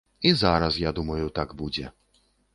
І зараз, я думаю, так будзе.